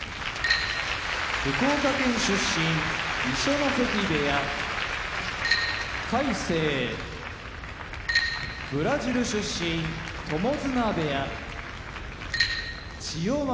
福岡県出身二所ノ関部屋魁聖ブラジル出身友綱部屋千代丸